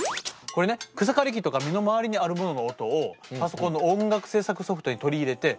これね草刈り機とか身の回りにあるものの音をパソコンの音楽制作ソフトに取り入れてそれを音楽にして構築してるのよ。